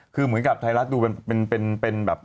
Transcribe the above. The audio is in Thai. คือเหมือนกับไทยรัฐดูเป็นแบบ